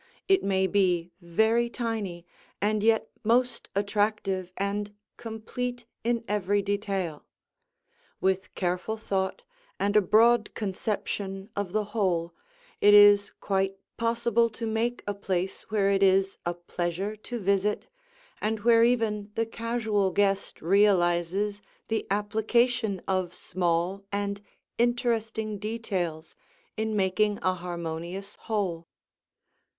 It may be very tiny and yet most attractive and complete in every detail. With careful thought and a broad conception of the whole, it is quite possible to make a place where it is a pleasure to visit and where even the casual guest realizes the application of small and interesting details in making a harmonious whole.